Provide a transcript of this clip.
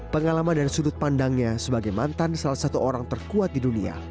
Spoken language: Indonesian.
pengalaman dan sudut pandangnya sebagai mantan salah satu orang terkuat di dunia